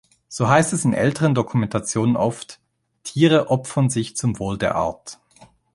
So heißt es in älteren Dokumentationen oft: Tiere „opfern sich zum Wohl der Art“.